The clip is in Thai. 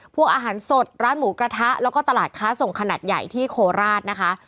พวกอาหารสดร้านหมูกระทะแล้วก็ตลาดค้าส่งขนาดใหญ่ที่โคราชนะคะ